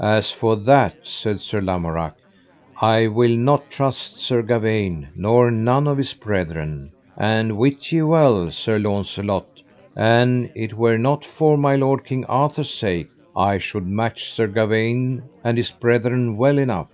As for that, said Sir Lamorak, I will not trust Sir Gawaine nor none of his brethren; and wit ye well, Sir Launcelot, an it were not for my lord King Arthur's sake, I should match Sir Gawaine and his brethren well enough.